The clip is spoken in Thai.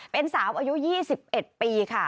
เป็นสาวอายุ๒๑ปีค่ะ